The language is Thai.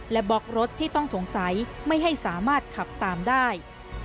และบล็อกรถที่ต้องสงสัยไม่ให้สามารถขับตามได้